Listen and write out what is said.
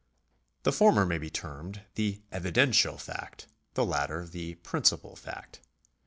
The former may be termed the evidential fact, the latter the 'principal fact.